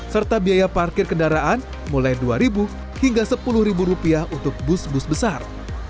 serta biaya parkir kendaraan mulai rp dua hingga rp sepuluh untuk bus bus besar